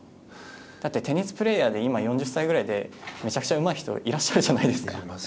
だって、テニスプレーヤーで４０歳ぐらいでめちゃめちゃうまい人いらっしゃるじゃないですか。